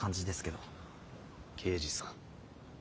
刑事さん？